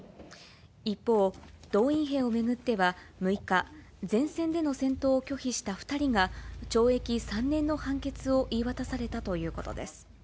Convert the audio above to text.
一方、動員兵を巡っては６日、前線での戦闘を拒否した２人が、懲役３年の判決を言い渡されたということです。